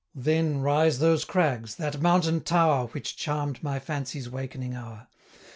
Then rise those crags, that mountain tower Which charm'd my fancy's wakening hour.